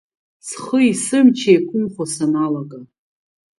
Схыи сымчи еиқәымхо саналага…